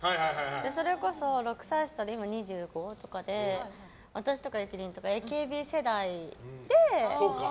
それこそ、６歳下で今、２５とかで私とかゆきりんとかＡＫＢ世代で。